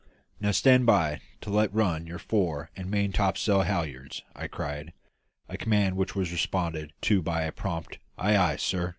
"Now stand by to let run your fore and main topsail halliards!" I cried a command which was responded to by a prompt "Ay, ay, sir!"